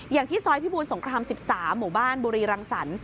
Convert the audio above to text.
อย่างที่ซอยพิบูรสงคราม๑๓หมู่บ้านบุรีรังสรรค์